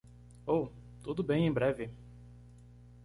Oh, tudo bem em breve.